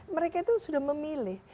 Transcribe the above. mereka itu sudah memilih